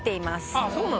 あっそうなのね。